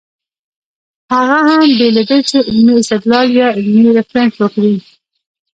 هغه هم بې له دې چې علمي استدلال يا علمي ريفرنس ورکړي